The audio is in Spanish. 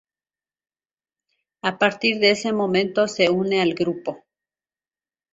A partir de ese momento se une al grupo.